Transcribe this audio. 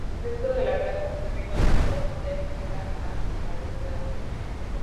En el centro de la plaza se ubica una rotonda elíptica ajardinada.